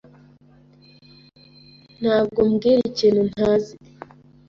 Ntabwo umbwira ikintu ntazi.